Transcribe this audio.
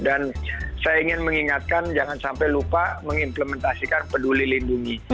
dan saya ingin mengingatkan jangan sampai lupa mengimplementasikan peduli lindungi